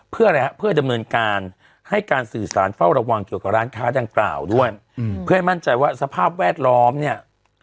เพื่อให้มั่นใจว่าสภาพแวดล้อมเนี่ย